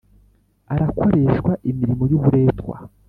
arakoreshwa imirimo y’uburetwa!